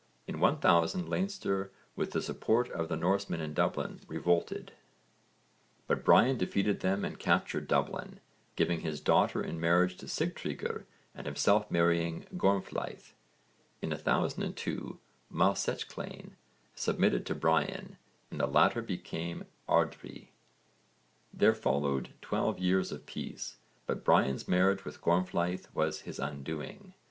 In 1000 Leinster with the support of the Norsemen in Dublin revolted, but Brian defeated them and captured Dublin, giving his daughter in marriage to Sigtryggr and himself marrying Gormflaith. In 1002 Maelsechlainn submitted to Brian and the latter became ardrí. There followed twelve years of peace, but Brian's marriage with Gormflaith was his undoing.